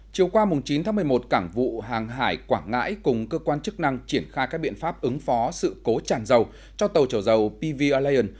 chiều qua chín tháng một mươi một cảng vụ hàng hải quảng ngãi cùng cơ quan chức năng triển khai các biện pháp ứng phó sự cố tràn dầu cho tàu chở dầu pv allian